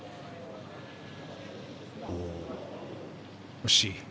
惜しい。